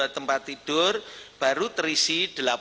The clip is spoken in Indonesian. dua empat ratus tujuh puluh dua tempat tidur baru terisi delapan puluh satu